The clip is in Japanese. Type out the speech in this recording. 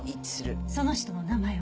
その人の名前は？